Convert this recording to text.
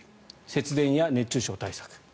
節電や熱中症対策。